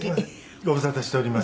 ご無沙汰しております。